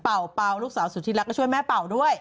เป่าลูกสาวสุธิรักก็ช่วยแม่เป่าด้วย